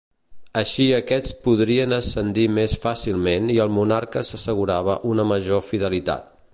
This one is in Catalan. Així aquests podrien ascendir més fàcilment i el monarca s'assegurava una major fidelitat.